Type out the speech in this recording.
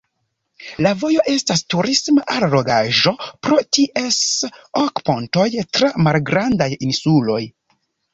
La vojo estas turisma allogaĵo pro ties ok pontoj tra malgrandaj insuloj.